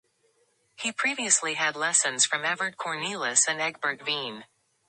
He previously had lessons from Evert Cornelis and Egbert Veen.